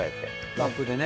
ラップでね。